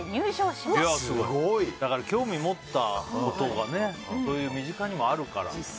興味持ったことがそういう身近にもあるから。